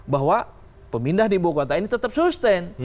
bahwa pemindah di ibu kota ini tetap sustain